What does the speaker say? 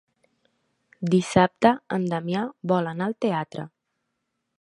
Dissabte en Damià vol anar al teatre.